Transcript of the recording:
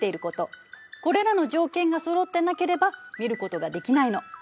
これらの条件がそろってなければ見ることができないの。